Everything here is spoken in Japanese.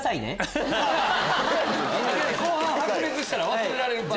後半白熱したら忘れられる。